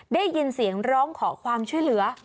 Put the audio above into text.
ได้ยินเสียงร้องขอความช่วยเหลือ